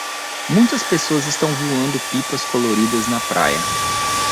Muitas pessoas estão voando pipas coloridas na praia.